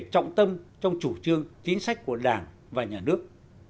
trọng tâm trong chủ trương chính sách của đảng và nhà nước